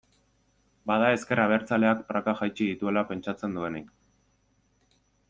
Bada ezker abertzaleak prakak jaitsi dituela pentsatzen duenik.